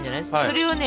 それをね